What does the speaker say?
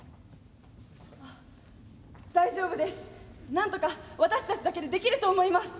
あ大丈夫です。なんとか私たちだけでできると思います。